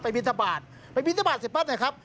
ไปวิทยาบาท๑๐บาทครับ